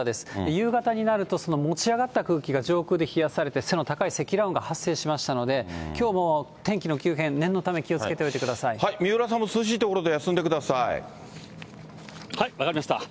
夕方になると、その持ち上がった空気が上空で冷やされて、背の高い積乱雲が発生しましたので、きょうも天気の急変、念のため、気三浦さんも涼しい所で休んで分かりました。